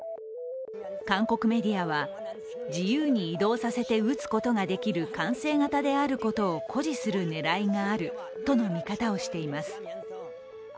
韓国メディアは自由に移動させて撃つことができる完成型であることを誇示する狙いがあるとの見方をしています。